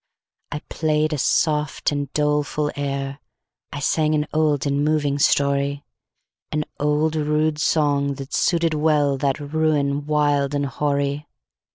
I play'd a soft and doleful air,I sang an old and moving story—An old rude song, that suited wellThat ruin wild and hoary.